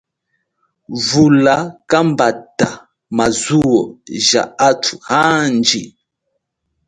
Vula kambata ma zuwo ja athu anji.